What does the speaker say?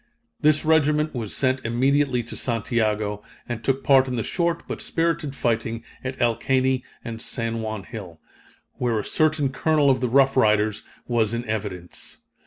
This regiment was sent immediately to Santiago, and took part in the short but spirited fighting at El Caney and San Juan hill where a certain Colonel of the Rough Riders was in evidence.